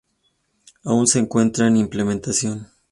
Aún se encuentra en implementación.